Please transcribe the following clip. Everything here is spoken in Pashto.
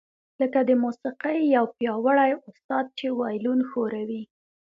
لکه د موسیقۍ یو پیاوړی استاد چې وایلون ښوروي